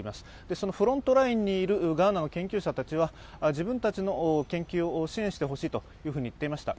そのフロントラインにいるガーナの研究者たちは自分たちの研究を支援してほしいと言っていました。